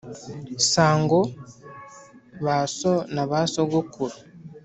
sango, ba so na ba sogokuru,